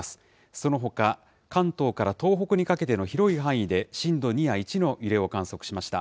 そのほか関東から東北にかけての広い範囲で震度２や１の揺れを観測しました。